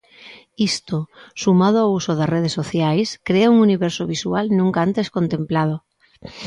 Isto, sumado ao uso das redes sociais, crea un universo visual nunca antes contemplado.